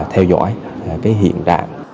theo dõi cái hiện đại